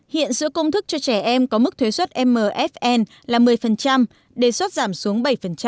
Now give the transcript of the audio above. hiện sữa công thức cho trẻ em có mức thuế xuất mfn là một mươi đề xuất giảm xuống bảy